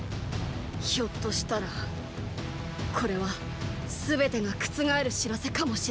ひょっとしたらこれは全てが覆る知らせかもしれない。